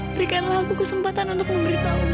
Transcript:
berikanlah aku kesempatan untuk memberitahumu